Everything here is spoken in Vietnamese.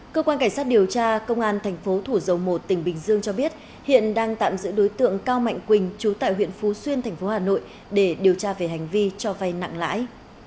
cơ quan cảnh sát điều tra công an tp thủ dầu một tỉnh bình dương cho biết hiện đang tạm giữ đối tượng cao mạnh quỳnh trú tại huyện phú xuyên tp hà nội để điều tra về hành vi cho vay nặng lãi